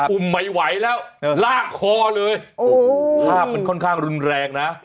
อุ้มไม่ไหวแล้วลากคอเลยโอ้โหภาพมันค่อนข้างรุนแรงนะ